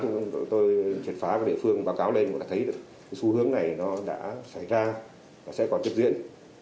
cũng đã thấy được cái xu hướng này nó đã xảy ra và sẽ còn tiếp diễn